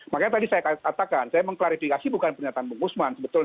makanya tadi saya katakan saya mengklarifikasi bukan pernyataan bung usman sebetulnya